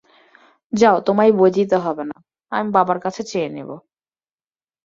যাও তোমায় বই দিতে হবে না, আমি বাবার কাছে চেয়ে দেবো।